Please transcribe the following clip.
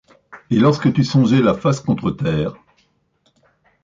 Et, lorsque tu songeais la face contre terre